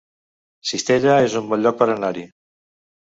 Cistella es un bon lloc per anar-hi